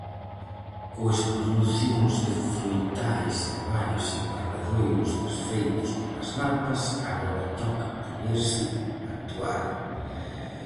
Coas producións de froitais e varios invernadoiros desfeitos polas lapas, agora toca poñerse actuar.